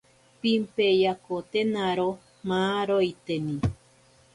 Pimpeyakotenaro maaroiteni.